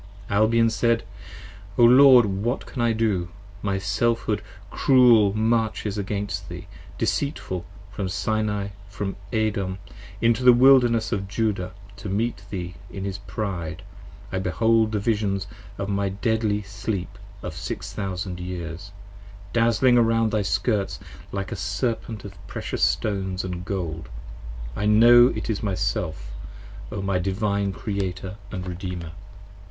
Albion said. O Lord what can I do: my Selfhood cruel Marches against thee, deceitful, from Sinai & from Edom 10 Into the Wilderness of Judah to meet thee in his pride. I behold the Visions of my deadly Sleep of Six Thousand Years, Dazling around thy skirts like a Serpent of precious stones & gold: I know it is my Self: O my Divine Creator & Redeemer.